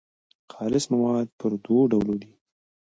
خالص مواد پر دوو ډولو دي.